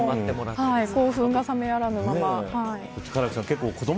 興奮が冷めやらぬまま。